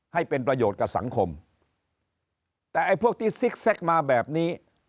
ให้เป็นประโยชน์กับสังคมแต่ไอ้พวกที่ซิกเซ็กมาแบบนี้